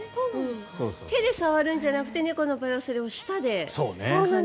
手で触るんじゃなくて猫の場合はそれを舌で感じる。